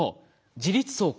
自律走行。